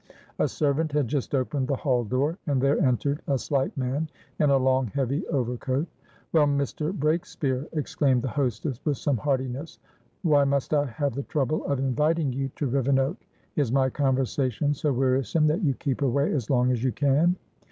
A servant had just opened the hall door, and there entered a slight man in a long, heavy overcoat. "Well, Mr. Breakspeare!" exclaimed the hostess, with some heartiness. "Why must I have the trouble of inviting you to Rivenoak? Is my conversation so wearisome that you keep away as long as you can?"